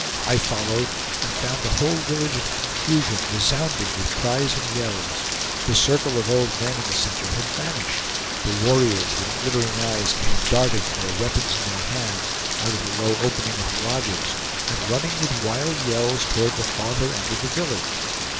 I followed, and found the whole village in confusion, resounding with cries and yells. The circle of old men in the center had vanished. The warriors with glittering eyes came darting, their weapons in their hands, out of the low opening of the lodges, and running with wild yells toward the farther end of the village.